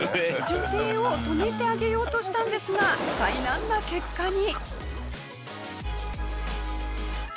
女性を止めてあげようとしたんですが災難な結果に。